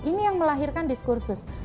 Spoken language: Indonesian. ini yang melahirkan diskursus